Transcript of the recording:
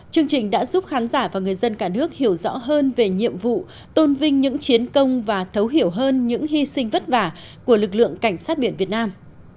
chương trình đã giúp khán giả và người dân cả nước hiểu rõ hơn về nhiệm vụ tôn vinh những chiến công và thấu hiểu hơn những hy sinh vất vả của lực lượng cảnh sát biển việt nam